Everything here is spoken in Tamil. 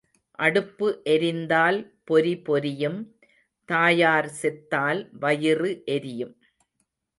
அடுப்பு எரிந்தால் பொரி பொரியும் தாயார் செத்தால் வயிறு எரியும்.